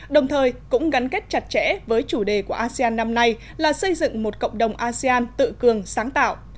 đồng thời cũng gắn kết chặt chẽ với chủ đề của asean năm nay là xây dựng một cộng đồng asean tự cường sáng tạo